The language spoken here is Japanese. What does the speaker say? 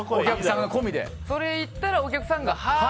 それを言ったらお客さんがはあ？